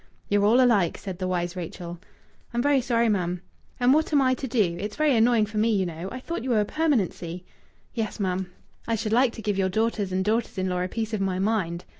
"You're all alike," said the wise Rachel. "I'm very sorry, ma'm." "And what am I to do? It's very annoying for me, you know. I thought you were a permanency." "Yes, ma'am." "I should like to give your daughters and daughters in law a piece of my mind....